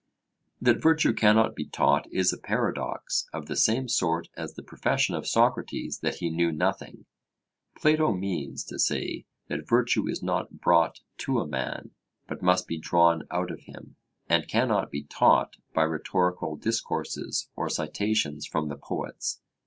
That virtue cannot be taught is a paradox of the same sort as the profession of Socrates that he knew nothing. Plato means to say that virtue is not brought to a man, but must be drawn out of him; and cannot be taught by rhetorical discourses or citations from the poets.